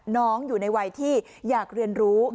อยู่ในวัยที่อยากเรียนรู้